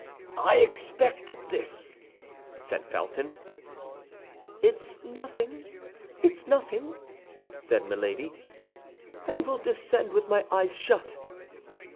"I expected this," said Felton. "It's nothing, it's nothing!" said Milady. "I will descend with my eyes shut."